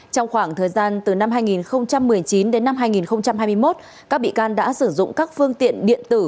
trong khoảng thời gian từ năm hai nghìn một mươi chín đến năm hai nghìn hai mươi một các bị can đã sử dụng các phương tiện điện tử